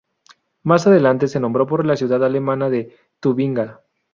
Más adelante se nombró por la ciudad alemana de Tubinga.